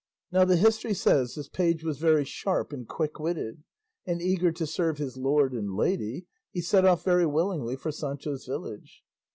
Now the history says this page was very sharp and quick witted; and eager to serve his lord and lady he set off very willingly for Sancho's village.